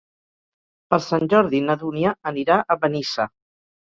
Per Sant Jordi na Dúnia anirà a Benissa.